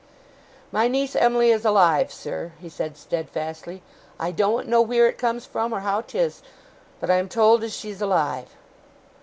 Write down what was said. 'My niece, Em'ly, is alive, sir!' he said, steadfastly. 'I doen't know wheer it comes from, or how 'tis, but I am told as she's alive!